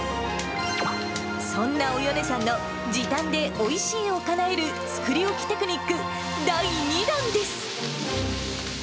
そんなおよねさんの時短でおいしいをかなえる、作り置きテクニック第２弾です。